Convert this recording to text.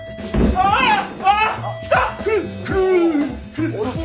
あっ。